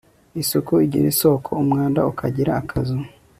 isuku igira isoko, umwanda ukagira akazu